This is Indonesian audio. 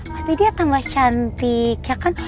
pasti dia tambah cantik ya kan